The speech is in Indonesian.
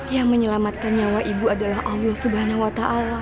yang menyelamatkan nyawa ibu adalah allah swt